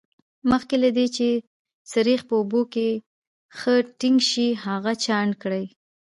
مخکې له دې چې سريښ په اوبو کې ښه ټینګ شي هغه چاڼ کړئ.